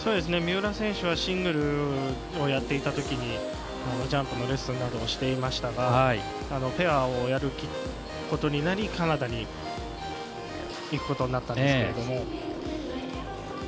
三浦選手はシングルをやっていた時にジャンプのレッスンなどをしていましたがペアをやることになりカナダに行くことになったんですけれど。